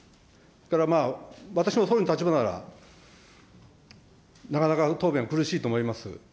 それから私も総理の立場なら、なかなか答弁は苦しいと思います。